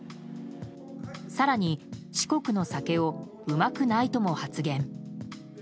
更に、四国の酒をうまくないとも発言。